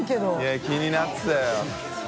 いや気になってたよ。